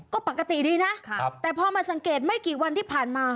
ก็ปกติดีนะแต่พอมาสังเกตไม่กี่วันที่ผ่านมา